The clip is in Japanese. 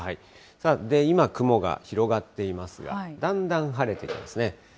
今、雲が広がっていますが、だんだん晴れてきますね。